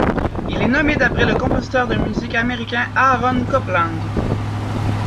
Il est nommé d'après le compositeur de musique américain Aaron Copland.